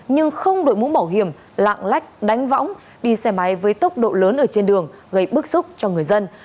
nhưng không đội mũ bảo hiểm lạng lách đánh võng đi xe máy với tốc độ lớn ở trên đường gây bức xúc cho người dân